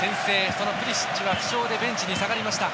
そのプリシッチは負傷でベンチに下がりました。